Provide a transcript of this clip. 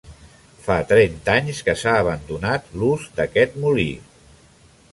Fa trenta anys que s'ha abandonat l'ús d'aquest molí.